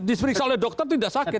disperiksa oleh dokter tidak sakit